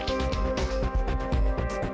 ibu masuk dulu